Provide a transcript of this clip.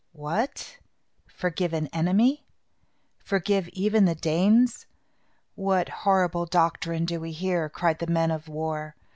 "What! forgive an enemy? Forgive even the Danes? What horrible doctrine do we hear!" cried the men of war.